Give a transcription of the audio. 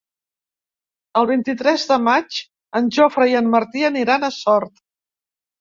El vint-i-tres de maig en Jofre i en Martí aniran a Sort.